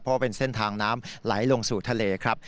เพราะว่าเป็นเส้นทางน้ำไหลลงสู่ทะเลครับ